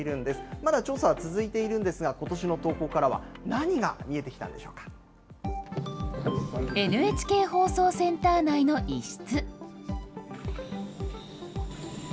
まだ調査は続いているんですが、ことしの投稿からは何が見えてきＮＨＫ放送センター内の一室。